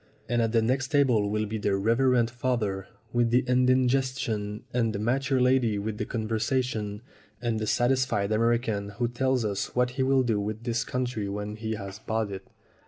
And at the next table will be the Reverend Father with the indigestion, and the mature lady with the conversation, and the satisfied American who tells us what he will do with this country when he has bought it."